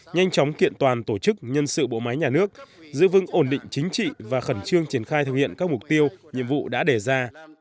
nhanh chóng kiện toàn tổ chức nhân sự bộ máy nhà nước giữ vững ổn định chính trị và khẩn trương triển khai thực hiện các mục tiêu nhiệm vụ đã đề ra